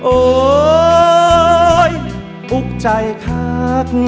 โอ๊ยฤุกษ์ใจคากหมา